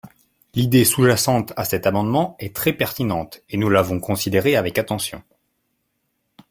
L’idée sous-jacente à cet amendement est très pertinente et nous l’avons considérée avec attention.